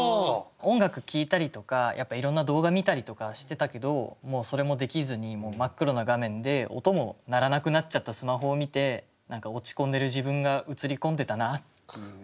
音楽聴いたりとかいろんな動画見たりとかしてたけどもうそれもできずに真っ黒な画面で音も鳴らなくなっちゃったスマホを見て何か落ち込んでる自分が映り込んでたなっていう。